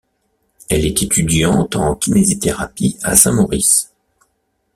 Elle est étudiante en kinésithérapie à Saint-Maurice.